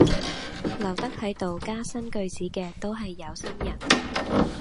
留得喺度加新句子嘅都係有心人